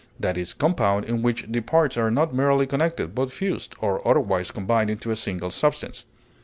That is compound in which the parts are not merely connected, but fused, or otherwise combined into a single substance.